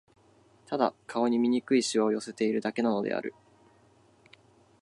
ただ、顔に醜い皺を寄せているだけなのである